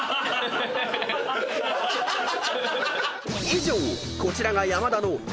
［以上こちらが山田の］